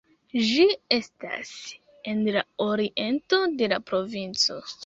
Ĝi estas en la oriento de la provinco.